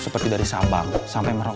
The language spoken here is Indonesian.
seperti dari sabang sampai merauke